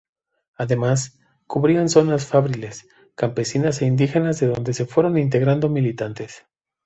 Además, cubrían zonas fabriles, campesinas e indígenas de donde se fueron integrando militantes.